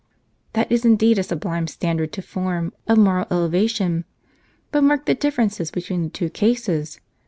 " That is indeed a sublime standard to form, of moral ele vation ; but mark the difference between the two cases.